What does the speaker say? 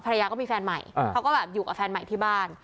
ภรรยาก็มีแฟนใหม่เขาก็แบบอยู่กับแฟนใหม่ที่บ้าน